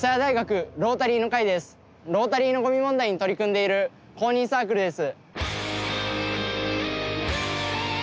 ロータリーのゴミ問題に取り組んでいる公認サークルです。